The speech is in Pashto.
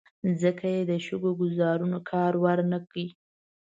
ځکه یې د شګو ګوزارونو کار ور نه کړ.